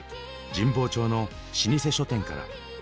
神保町の老舗書店から。